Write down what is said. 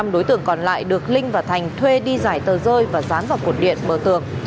năm đối tượng còn lại được linh và thành thuê đi giải tờ rơi và dán vào cột điện bờ tường